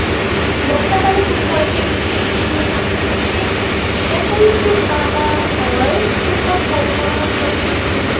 বর্ষাকালে কোথাও একইটু কাদা হয়, কোথাও সর্বনাশ করে সবচেয়ে বেশি।